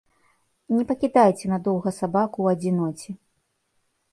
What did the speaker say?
Не пакідайце надоўга сабаку ў адзіноце.